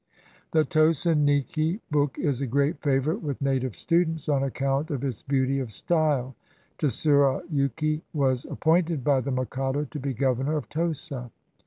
The Tosa Niki book is a great favorite with native students on account of its beauty of style. Tsurayuki was appointed by the mikado to be governor of Tosa.